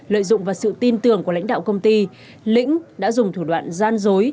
lợi dụng vào sự tin tưởng của lãnh đạo công ty lĩnh đã dùng thủ đoạn gian dối